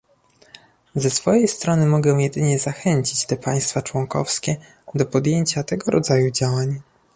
Ze swojej strony mogę jedynie zachęcić te państwa członkowskie do podjęcia tego rodzaju działań